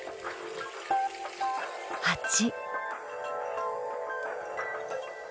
ハチ。